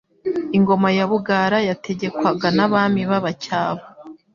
Ingoma ya Bugara yategekwaga n'Abami b'Abacyaba,